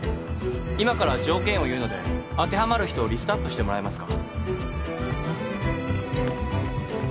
今から条件を言うので当てはまる人をリストアップしてもらえますか？